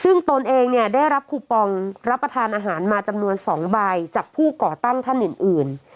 ซึ่งตนเองเนี่ยได้รับคูปองรับประทานอาหารมาจำนวน๒ใบจากผู้ก่อตั้งท่านอื่น